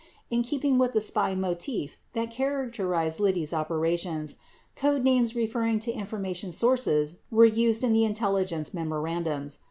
41 In keeping with the spy motif that characterized Liddy's operations, code names referring to information sources were used in the intelli gence memorandums.